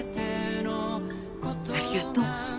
ありがとう。